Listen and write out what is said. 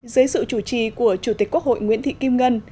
dưới sự chủ trì của chủ tịch quốc hội nguyễn thị kim ngân